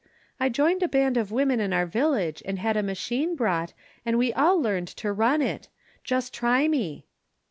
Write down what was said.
"I joined a band of women in our village and had a machine brought and we all learned to run it. Just try me."